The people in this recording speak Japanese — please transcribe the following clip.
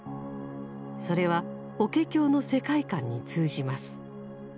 それは法華経の世界観に通じます。